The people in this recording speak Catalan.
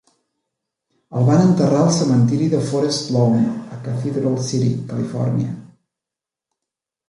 El van enterrar al cementiri de Forest Lawn, a Cathedral City (Califòrnia).